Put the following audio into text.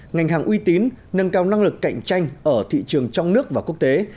ngành hàng uy tín nâng cao năng lực cạnh tranh ở thị trường trong nước và quốc tế